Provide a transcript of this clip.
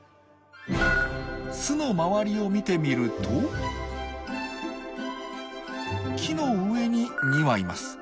巣の周りを見てみると木の上に２羽います。